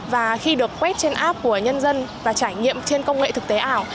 và khi được quét trên app của nhân dân và trải nghiệm trên công nghệ thực tế ảo